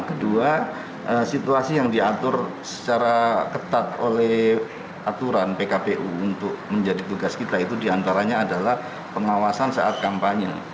kedua situasi yang diatur secara ketat oleh aturan pkpu untuk menjadi tugas kita itu diantaranya adalah pengawasan saat kampanye